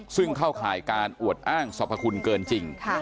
ซึ่งเข้าข่ายการอวดอ้างสรรพคุณเกินจริง